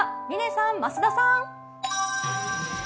嶺さん、増田さん。